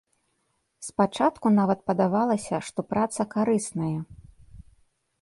Спачатку нават падавалася, што праца карысная.